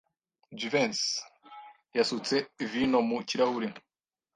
Jivency yasutse vino mu kirahure.